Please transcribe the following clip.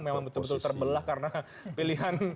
memang betul betul terbelah karena pilihan